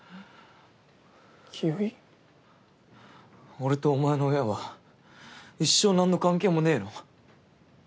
俺とお前の親は一生なんの関係もねぇの？